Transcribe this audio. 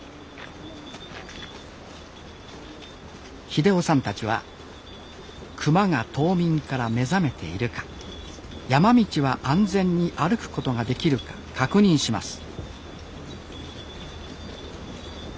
英雄さんたちは熊が冬眠から目覚めているか山道は安全に歩くことができるか確認します